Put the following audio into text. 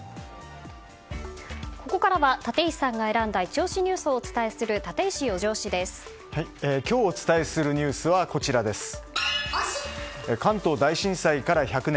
ここからは立石さんが選んだイチ推しニュースをお伝えする今日、お伝えするニュースは関東大震災から１００年。